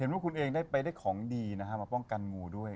เห็นว่าคุณเองไปได้ของดีนะครับมาป้องกันงูด้วย